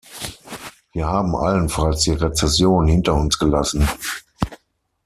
Wir haben allenfalls die Rezession hinter uns gelassen.